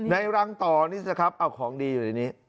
รังต่อนี่สิครับเอาของดีอยู่ในนี้